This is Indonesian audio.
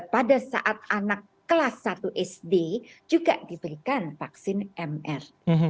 pada saat anak kelas satu sd juga diberikan vaksin mr